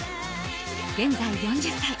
現在、４０歳。